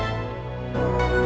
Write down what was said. terima kasih ya